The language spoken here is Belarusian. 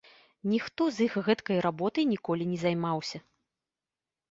Ніхто з іх гэткай работай ніколі не займаўся.